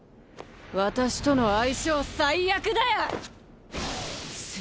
私との相性最悪だよ！